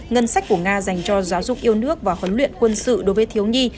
ngân sách của nga dành cho giáo dục yêu nước và huấn luyện quân sự đối với thiếu nhi